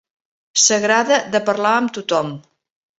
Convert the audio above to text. S'agrada de parlar amb tothom.